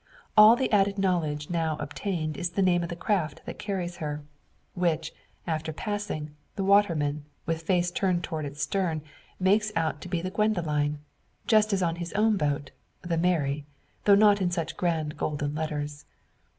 All the added knowledge now obtained is the name of the craft that carries her; which, after passing, the waterman, with face turned towards its stern, makes out to be the Gwendoline just as on his own boat the Mary, though not in such grand golden letters.